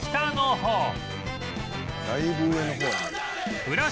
だいぶ上の方や。